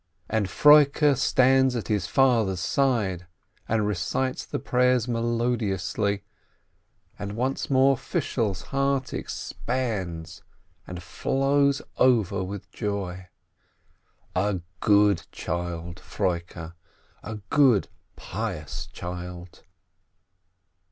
And Froike stands at his father's side, and recites the prayers melodiously, and once more Fishel's heart expands and flows over with joy — a good child, Froike, a good, pious child